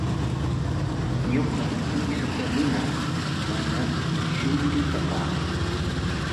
Ñuqa kiisuta munaa, mana shuyrutaqa.